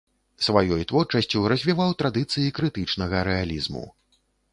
Сваёй творчасцю развіваў традыцыі крытычнага рэалізму.